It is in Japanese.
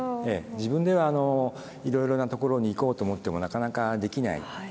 自分ではいろいろな所に行こうと思ってもなかなかできない。